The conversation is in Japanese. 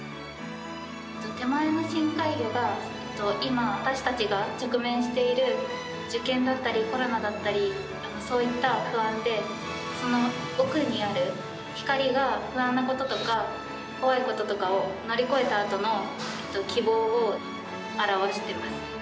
手前の深海魚が、今、私たちが直面している、受験だったり、コロナだったり、そういった不安で、その奥にある光が、不安なこととか、怖いこととかを乗り越えたあとの、希望を表してます。